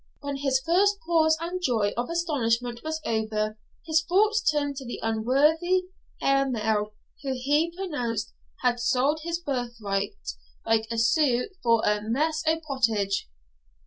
When his first pause of joy and astonishment was over, his thoughts turned to the unworthy heir male, who, he pronounced, had sold his birthright, like Esau, for a mess o' pottage.